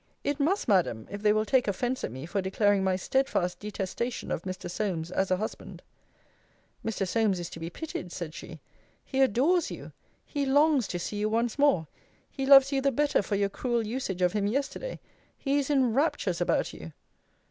It must, Madam, if they will take offence at me for declaring my steadfast detestation of Mr. Solmes, as a husband. Mr. Solmes is to be pitied, said she. He adores you. He longs to see you once more. He loves you the better for your cruel usage of him yesterday. He is in raptures about you.